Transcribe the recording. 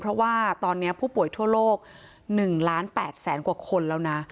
เพราะว่าตอนนี้ผู้ป่วยทั่วโลก๑ล้าน๘แสนกว่าคนแล้วนะ